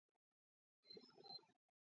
სიტყვა „ასი“ მარტივი შედგენილობისაა.